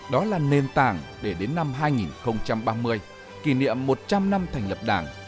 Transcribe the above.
đó là nền tảng để đến năm hai nghìn ba mươi kỷ niệm một trăm linh năm thành lập đảng